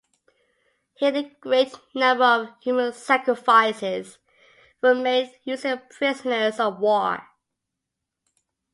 Here a great number of human sacrifices were made, usually of prisoners of war.